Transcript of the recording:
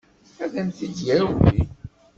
Ad m-t-id-yawi?